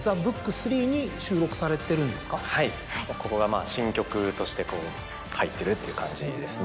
はいここが新曲として入ってるという感じですね。